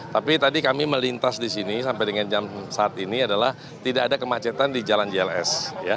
tapi tadi kami melintas di sini sampai dengan jam saat ini adalah tidak ada kemacetan di jalan jls